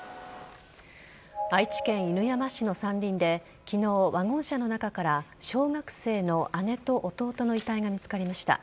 愛知県犬山市の山林で昨日ワゴン車の中から小学生の姉と弟の遺体が見つかりました。